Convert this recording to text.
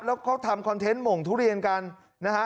แล้วเขาทำคอนเทนต์หม่งทุเรียนกันนะฮะ